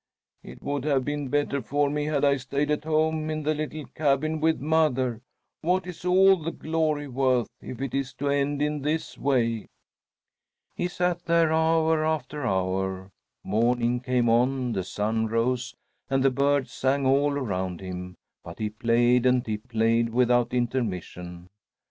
"It would have been better for me had I stayed at home in the little cabin with mother. What is all the glory worth if it is to end in this way?" He sat there hour after hour. Morning came on, the sun rose, and the birds sang all around him; but he played and he played, without intermission.